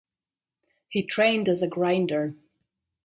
He trained as a grinder.